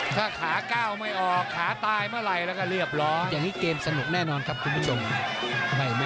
ถ้าขาก้าวไม่ออกขาตายเมื่อไหร่แล้วก็เรียบร้อยอย่างนี้เกมสนุกแน่นอนครับคุณผู้ชม